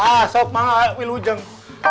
ah sok mana wilujeng